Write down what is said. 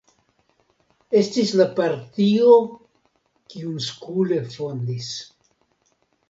Estis la partio, kiun Skule fondis.